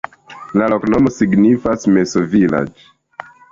La loknomo signifas: meso-vilaĝ'.